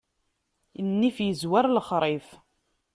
Nnif izwar lexṛif.